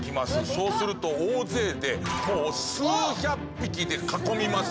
そうすると大勢で数百匹で囲みます。